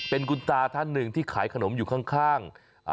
เป็นคุณตาท่านหนึ่งที่ขายขนมอยู่ข้าง